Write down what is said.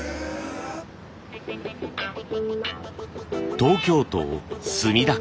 東京都墨田区。